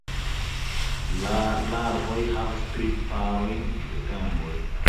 La larvoj havas tri parojn de gamboj.